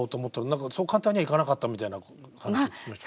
何かそう簡単にはいかなかったみたいな感じに聞きました。